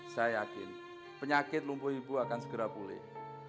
saya yakin penyakit lumpuh ibu akan segera pulih